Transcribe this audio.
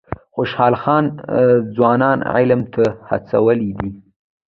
خوشحال خان ځوانان علم ته هڅولي دي.